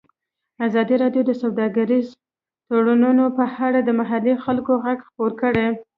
ازادي راډیو د سوداګریز تړونونه په اړه د محلي خلکو غږ خپور کړی.